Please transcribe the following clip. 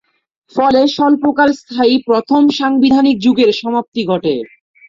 ফলে স্বল্পকাল স্থায়ী প্রথম সাংবিধানিক যুগের সমাপ্তি ঘটে।